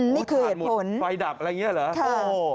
นี่คือเหตุผลฝ่ายดับอะไรอย่างนี้เหรอโอ้โฮ